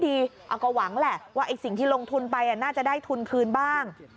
เอาก็หวังแหละว่าไอ้สิ่งที่ลงทุนไปน่าจะได้ทุนคืนบ้าง